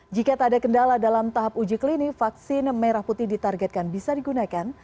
jika tak ada kendala dalam tahap uji klinik vaksin merah putih ditargetkan bisa digunakan